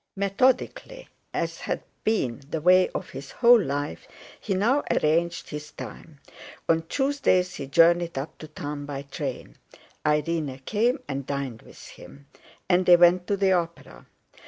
Methodically, as had been the way of his whole life, he now arranged his time. On Tuesdays he journeyed up to town by train; Irene came and dined with him. And they went to the opera.